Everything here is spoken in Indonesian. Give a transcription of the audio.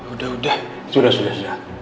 udah udah sudah sudah